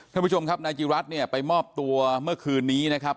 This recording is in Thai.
ท่านผู้ชมครับนายจิรัตน์เนี่ยไปมอบตัวเมื่อคืนนี้นะครับ